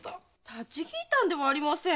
立ち聞いたんではありません！